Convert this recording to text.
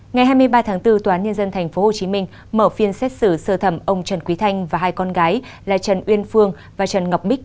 ngày hai mươi ba tháng bốn tòa án nhân dân tp hcm mở phiên xét xử sơ thẩm ông trần quý thanh và hai con gái là trần uyên phương và trần ngọc bích